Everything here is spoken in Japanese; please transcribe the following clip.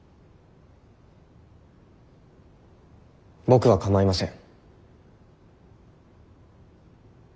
僕は構いません。